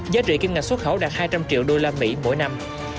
giá trị kim ngạch xuất khẩu đạt hai trăm linh triệu đô la mỹ mỗi năm